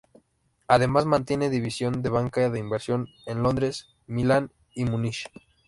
Además, mantiene divisiones de banca de inversión en Londres, Milán y Múnich.